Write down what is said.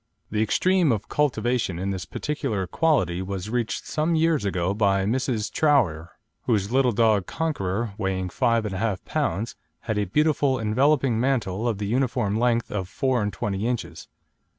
The extreme of cultivation in this particular quality was reached some years ago by Mrs. Troughear, whose little dog Conqueror, weighing 5 1/2 lb., had a beautiful enveloping mantle of the uniform length of four and twenty inches.